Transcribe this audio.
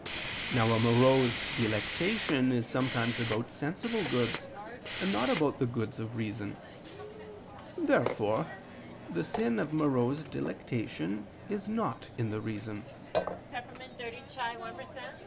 Now a morose delectation is sometimes about sensible goods, and not about the goods of the reason. Therefore the sin of morose delectation is not in the reason.